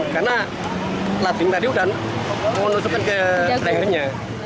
karena pelabing tadi sudah menusukkan ke lehernya